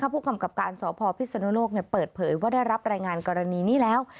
ผู้กำกับการสพพิศนุโลกเปิดเผยว่าได้รับรายงานกรณีนี้แล้ว